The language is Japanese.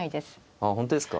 あ本当ですか。